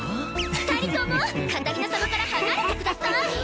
二人ともカタリナ様から離れてください！